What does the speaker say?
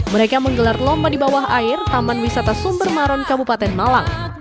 mereka menggelar lomba di bawah air taman wisata sumber maron kabupaten malang